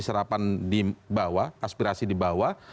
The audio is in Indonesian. serapan di bawah aspirasi pemerintah